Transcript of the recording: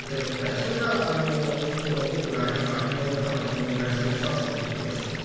それが僕が今日本の方にお願いする２つの事です。